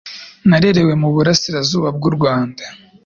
Narerewe mu burasirazuba bw’urwanda.